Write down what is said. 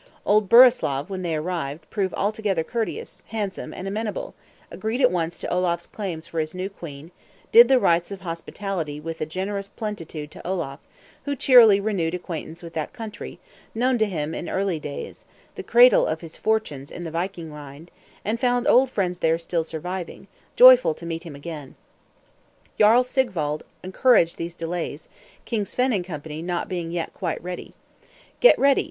Old Burislav, when they arrived, proved altogether courteous, handsome, and amenable; agreed at once to Olaf's claims for his now queen, did the rites of hospitality with a generous plenitude to Olaf; who cheerily renewed acquaintance with that country, known to him in early days (the cradle of his fortunes in the viking line), and found old friends there still surviving, joyful to meet him again. Jarl Sigwald encouraged these delays, King Svein and Co. not being yet quite ready. "Get ready!"